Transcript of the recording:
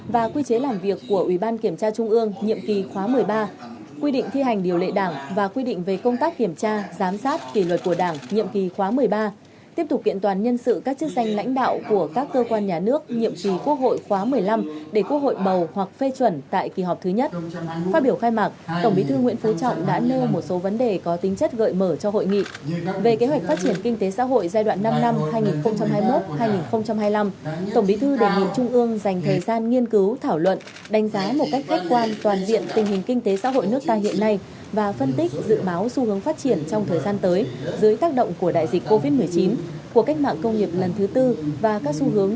về việc giới thiệu nhân sự các chức danh lãnh đạo của các cơ quan nhà nước nhiệm kỳ hai nghìn hai mươi một hai nghìn hai mươi sáu tổng bí thư nguyễn phú trọng khẳng định đây là công việc rất hệ trọng